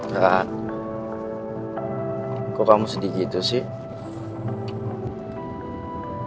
kak kok kamu sedih gitu sih